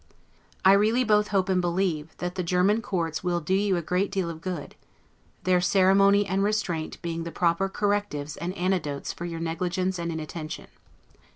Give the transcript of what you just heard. I really both hope and believe, that the German courts will do you a great deal of good; their ceremony and restraint being the proper correctives and antidotes for your negligence and inattention.